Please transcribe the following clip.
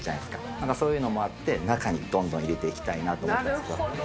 なんかそういうのもあって、中にどんどん入れていきたいなと思ったんですけど。